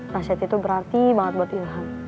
rasyad itu berarti banget buat ilham